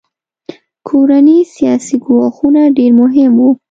کورني سیاسي ګواښونه ډېر مهم وو.